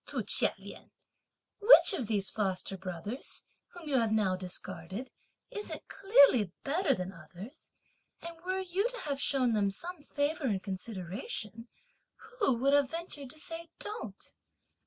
(to Chia Lien.) Which of those foster brothers whom you have now discarded, isn't clearly better than others? and were you to have shown them some favour and consideration, who would have ventured to have said 'don't?'